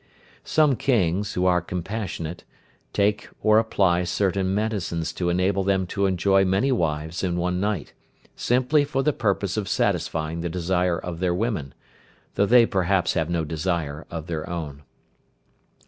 Some Kings, who are compassionate, take or apply certain medicines to enable them to enjoy many wives in one night, simply for the purpose of satisfying the desire of their women, though they perhaps have no desire of their own.